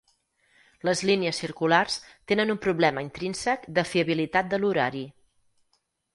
Les línies circulars tenen un problema intrínsec de fiabilitat de l'horari.